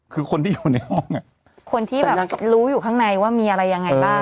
คือคนที่อยู่ในห้องคนที่แบบรู้อยู่ข้างในว่ามีอะไรยังไงบ้าง